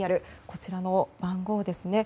こちらの番号ですね。